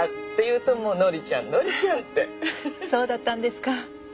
そうだったんですか。